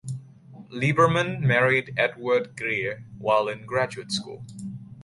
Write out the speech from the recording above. Lieberman married Edward Greer while in graduate school.